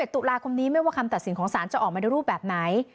ตุลาคมนี้ไม่ว่าคำตัดสินของสารจะออกมาในรูปแบบไหน